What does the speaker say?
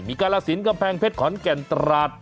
กาลสินกำแพงเพชรขอนแก่นตราด